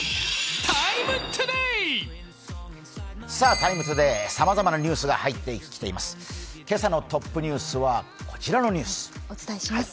「ＴＩＭＥ，ＴＯＤＡＹ」、さまざまなニュースが入ってきています。